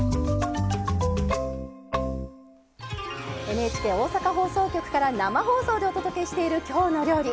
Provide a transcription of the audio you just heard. ＮＨＫ大阪放送局から生放送でお届けしている「きょうの料理」。